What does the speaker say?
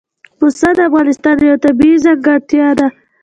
پسه د افغانستان یوه طبیعي ځانګړتیا ده.